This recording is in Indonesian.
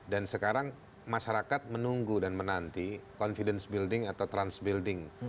dan sekarang masyarakat menunggu dan menanti confidence building atau trust building